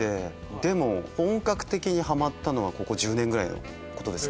でも本格的にハマったのはここ１０年ぐらいのことです。